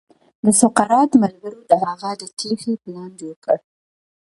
د سقراط ملګرو د هغه د تېښې پلان جوړ کړ.